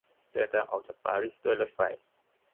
เดินทางออกจากปารีสด้วยรถไฟ